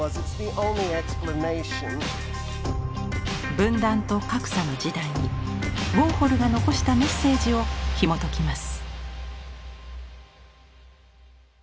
分断と格差の時代にウォーホルが遺したメッセージをひもときます。